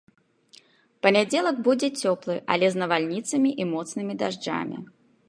Панядзелак будзе цёплы, але з навальніцамі і моцнымі дажджамі.